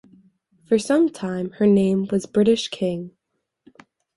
For some time her name was "British King".